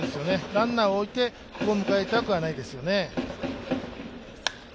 ランナーを置いて、ここを迎えたくはないですよね。